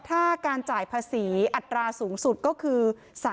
ถ้าการจ่ายภาษีอัตราสูงสุดก็คือ